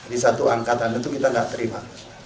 di satu angkatan itu kita tidak terima